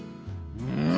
うん？